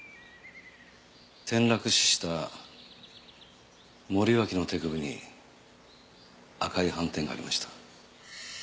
転落死した森脇の手首に赤い斑点がありました。